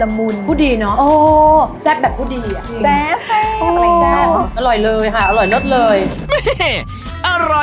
อ๋อแซ่บแบบผู้ดีอ่ะแซ่บแซ่บอร่อยเลยค่ะอร่อยลดเลย